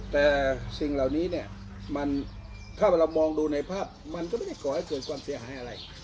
แต่สิ่งเหล่านี้เนี่ยมันถ้าเรามองดูในภาพมันก็ไม่ได้ก่อให้เกิดความเสียหายอะไร